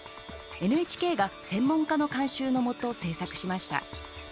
ＮＨＫが専門家の監修のもと制作しました。